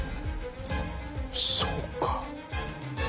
そうか！